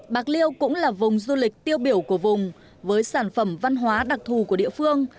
bạc liêu cũng là vùng du lịch tiêu biểu của vùng với sản phẩm văn hóa đặc thù của địa phương